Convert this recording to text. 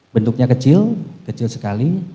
bentuknya kecil kecil sekali